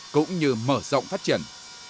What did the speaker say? cũng như mở rộng phát triển